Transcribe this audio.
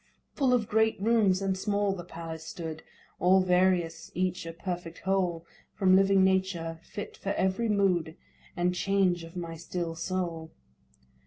Full of great rooms and small the palace stood, All various, each a perfect whole From living Nature, fit for every mood And change of my still soul.